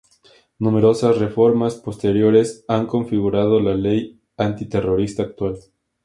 Numerosas reformas posteriores han configurado la Ley Antiterrorista actual.